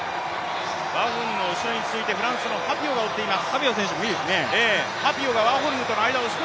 ワーホルムの後ろにフランスのハピオが追っています。